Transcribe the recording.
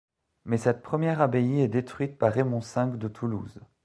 Mais cette première abbaye est détruite par Raymond V de Toulouse.